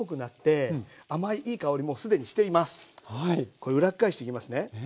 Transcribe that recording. これ裏返していきますね。